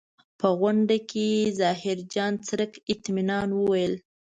په غونډه کې ظاهرجان څرک اطمنان وویل.